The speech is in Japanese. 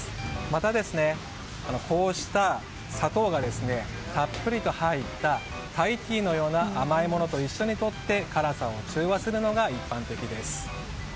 また、こうした砂糖がたっぷりと入ったタイティーのような甘いものと一緒にとって辛さを中和するのが一般的です。